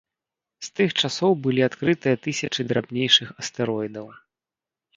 З тых часоў былі адкрыты тысячы драбнейшых астэроідаў.